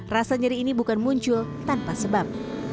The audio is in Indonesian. rasa nyeri ini bukan muncul tanpa sebab